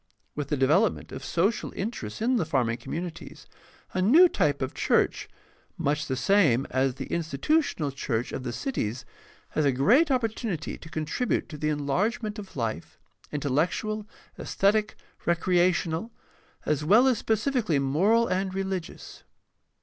With the development of social interests in the farming communities a new type of church much the same as the institutional church 6o2 GUIDE TO STUDY OF CHRISTIAN RELIGION of the cities has a great opportunity to contribute to the en largement of life, intellectual, aesthetic, recreational, as well as specifically moral and religious.